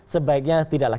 sebaiknya tidak lah